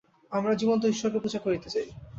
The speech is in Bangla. আমরা জীবন্ত ঈশ্বরকে পূজা করিতে চাই।